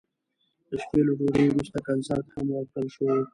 د شپې له ډوډۍ وروسته کنسرت هم ورکړل شو.